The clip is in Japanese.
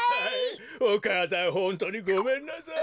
お母さんほんとうにごめんなさい。